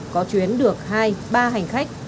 có chuyến được hai ba hành khách